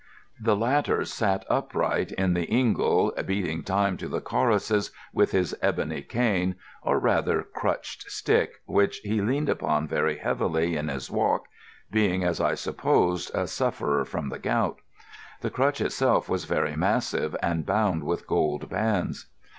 The latter sat upright in the ingle, beating time to the choruses with his ebony cane, or rather crutched stick, which he leaned upon very heavily in his walk, being, as I supposed, a sufferer from the gout. The crutch itself was very massive and bound with gold bands.